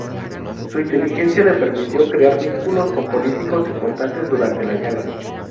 Su inteligencia le permitió crear vínculos con políticos importantes durante la Guerra.